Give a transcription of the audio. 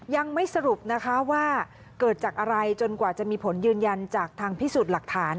ยังไม่สรุปนะคะว่าเกิดจากอะไรจนกว่าจะมีผลยืนยันจากทางพิสูจน์หลักฐาน